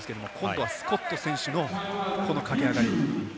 今度はスコット選手の駆け上がり。